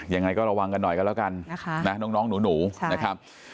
ยังไงก็ระวังกันหน่อยกันแล้วกันนะคะน้องหนูนะครับ